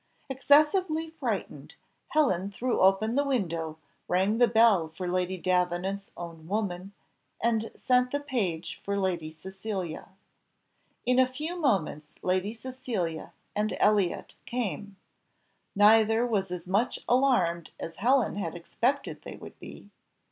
Excessively frightened, Helen threw open the window, rang the bell for Lady Davenant's own woman, and sent the page for Lady Cecilia. In a few moments Lady Cecilia and Elliott came. Neither was as much alarmed as Helen had expected they would be.